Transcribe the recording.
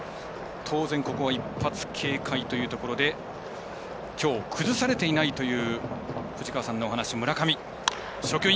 当然、ここは一発警戒というところできょう崩されていないという藤川さんのお話、村上。